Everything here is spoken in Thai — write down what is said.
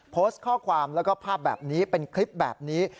โพสต์ข้อความแล้วก็ภาพแบบนี้เป็นคลิปแบบนี้